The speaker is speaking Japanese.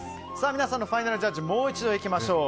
皆さんのファイナルジャッジもう一度いきましょう。